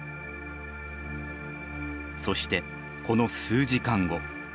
そしてこの数時間後。